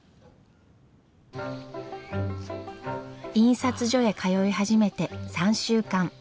印刷所へ通い始めて３週間。